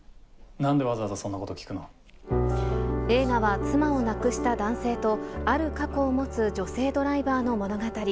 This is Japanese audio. なんでわざわざそんなことを映画は妻を亡くした男性と、ある過去を持つ女性ドライバーの物語。